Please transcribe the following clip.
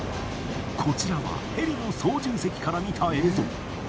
こちらはヘリの操縦席から見た映像。